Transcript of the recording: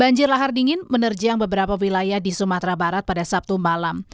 banjir lahar dingin menerjang beberapa wilayah di sumatera